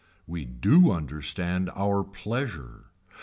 We do understand our pleasure.